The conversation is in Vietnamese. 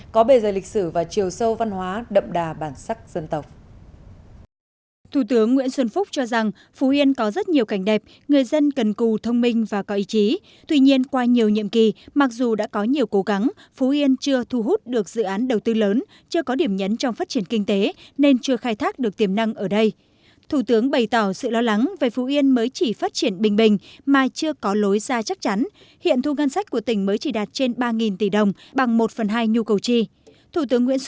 có bề dày lịch sử và chiều sâu văn hóa đậm đà bản sắc dân